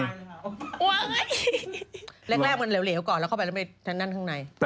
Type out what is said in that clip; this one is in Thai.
แรกมันเหลวก่อนแล้วเข้าไปด้านนั้นข้างใน